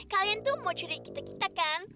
kalian tuh mau curi kita kita kan